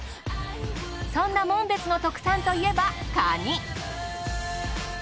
そんな紋別の特産といえばカニ。